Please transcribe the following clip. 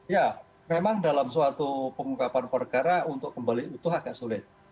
ya memang dalam suatu pengungkapan perkara untuk kembali itu agak sulit